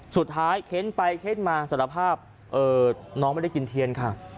สุดท้ายเคล้นไปเคล้นมาสารภาพเอ่อน้องไม่ได้กินเทียนค่ะ